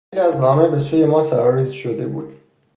سیلی از نامه به سوی ما سرازیر شده بود.